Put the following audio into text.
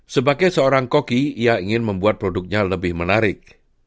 sebagai seorang koki ia ingin membuat produknya lebih menarik